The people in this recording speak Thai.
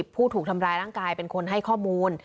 ผู้ถูกทำร้ายร่างกายของสามี